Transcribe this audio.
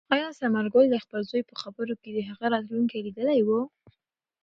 آیا ثمرګل د خپل زوی په خبرو کې د هغه راتلونکی لیدلی و؟